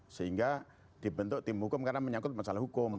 sehingga dibentuk tim hukum karena menyangkut masalah hukum